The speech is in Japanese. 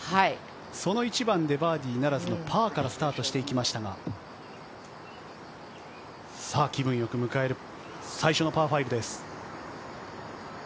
その１番でバーディーならずパーからスタートしていきましたが、気分良く迎える最初のパー５です。